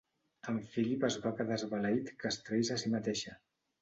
En Philip es va quedar esbalaït que es traís a si mateixa.